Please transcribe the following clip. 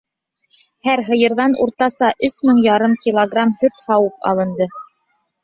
Һәр һыйырҙан уртаса өс мең ярым килограмм һөт һауып алынды.